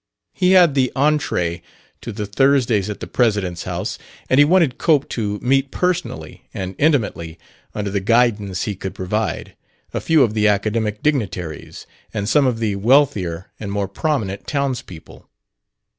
He had the entrée to the Thursdays at the president's house, and he wanted Cope to meet personally and intimately, under the guidance he could provide, a few of the academic dignitaries and some of the wealthier and more prominent townspeople.